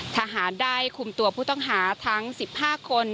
ทหารได้คุมตัวผู้ต้องหาทั้ง๑๕คน